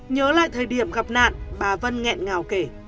nhớ lại thời điểm gặp nạn bà vân nghẹn ngào kể